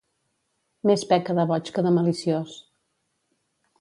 Més peca de boig que de maliciós.